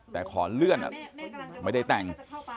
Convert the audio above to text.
แต่ขอเลื่อนไม่ได้แต่ง